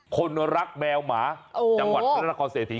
คนรักแมวหมาจังหวัดพระนครเศรษฐี